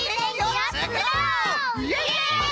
イエイ！